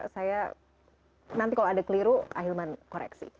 saya nanti kalau ada keliru ahilman koreksi